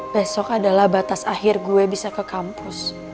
besok adalah batas akhir gue bisa ke kampus